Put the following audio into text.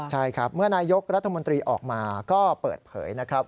ใช่ครับเมื่อนายกรัฐมนตรีออกมาก็เปิดเผยนะครับ